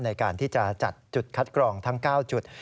ในการที่จะจัดจุดคัดกรองทั้ง๙จุด